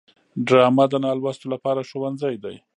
ډرامه د نالوستو لپاره ښوونځی دی